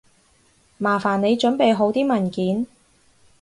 麻煩你準備好啲文件